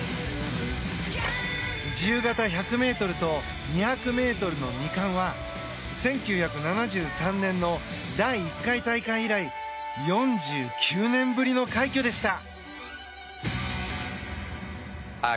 自由形１００ｍと２００ｍの２冠は１９７３年の第１回大会以来４９年ぶりの快挙でした。